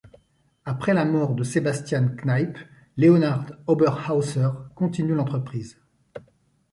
Après la mort de Sebastian Kneipp, Leonhard Oberhäußer continue l'entreprise.